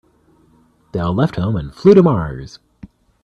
They all left home and flew to Mars.